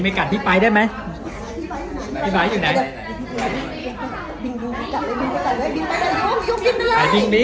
เอาตัวเราได้แค่เขาเห็นน่ะ